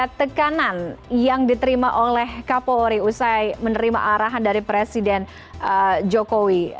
ada tekanan yang diterima oleh kapolri usai menerima arahan dari presiden jokowi